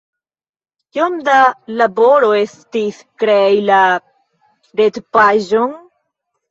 Kiom da laboro estis krei la retpaĝon?